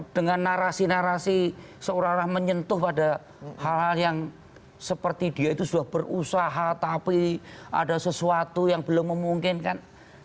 dengan narasi narasi seolah olah menyentuh pada hal hal yang seperti dia itu sudah berusaha tapi ada sesuatu yang belum memungkinkan